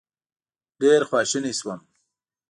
ډېر خواشینی شوم.